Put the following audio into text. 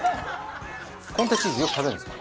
コンテチーズよく食べるんですか？